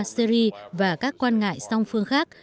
syria và các quan ngại song phương khác